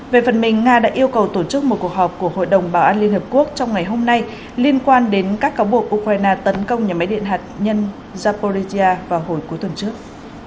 về phần mình nga đã yêu cầu tổ chức một cuộc họp của hội đồng bảo an liên hợp quốc trong ngày hôm nay liên quan đến các cáo buộc ukraine tấn công nhà máy điện hạt nhân zapolitia vào hồi cuối tuần trước